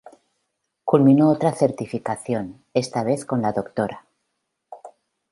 Culminó otra certificación esta vez con la Dra.